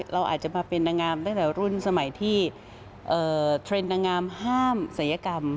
ตั้งแต่รุ่นสมัยที่เทรนด์ดางามห้ามสายกรรม